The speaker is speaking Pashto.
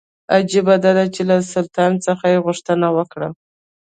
عجیبه دا چې له سلطان څخه یې غوښتنه وکړه.